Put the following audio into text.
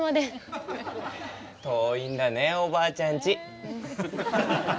遠いんだねおばあちゃんち。